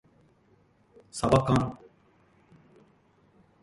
さばかん